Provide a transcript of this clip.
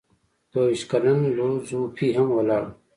دوه ویشت کلن لو ځو پي هم ولاړ و.